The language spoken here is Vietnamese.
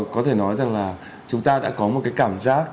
có thể nói rằng là chúng ta đã có một cái cảm giác